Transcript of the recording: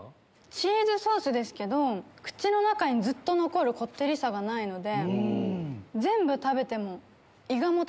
チーズソースですけど口の中にずっと残るこってりさがないので。